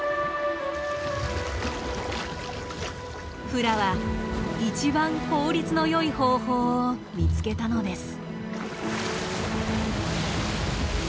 フラは一番効率のよい方法を見つけたのです。